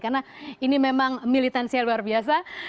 karena ini memang militansial luar biasa